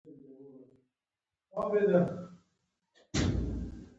د ارتقاء او نمو لپاره استخباراتي فنډونه او ګرانټونه شته.